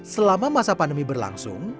selama masa pandemi berlangsung